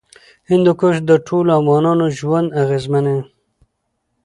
هندوکش د ټولو افغانانو ژوند اغېزمنوي.